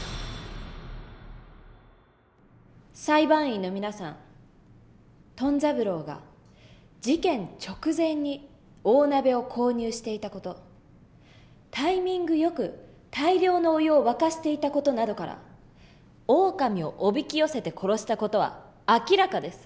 裁判員の皆さんトン三郎が事件直前に大鍋を購入していた事タイミングよく大量のお湯を沸かしていた事などからオオカミをおびき寄せて殺した事は明らかです。